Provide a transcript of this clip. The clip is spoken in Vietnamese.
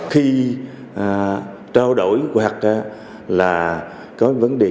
khi trao đổi hoặc là có vấn đề